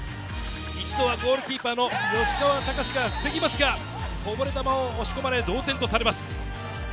一度はゴールキーパーの吉川貴史が防ぎますが、こぼれ球を押し込まれ、同点とされます。